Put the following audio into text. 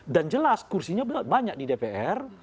dan jelas kursinya banyak di dpr